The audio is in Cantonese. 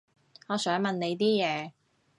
我想問你啲嘢